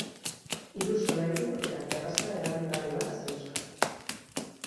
Hiru solairu eta terraza erabilgarri bat zeuzkan.